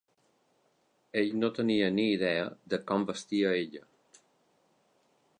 Ell no tenia ni idea de com vestia ella.